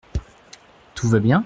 Tout va bien ?